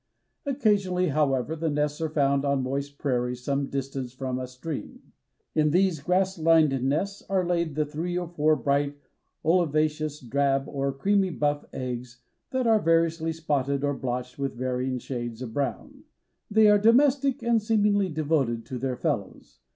Occasionally, however, the nests are found on moist prairies some distance from a stream. In these grass lined nests are laid the three or four bright olivaceous, drab or creamy buff eggs that are variously spotted or blotched with varying shades of brown. They are domestic and seemingly devoted to their fellows.